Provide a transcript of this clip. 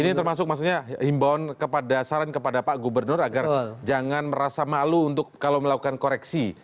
ini termasuk maksudnya himbauan kepada saran kepada pak gubernur agar jangan merasa malu untuk kalau melakukan koreksi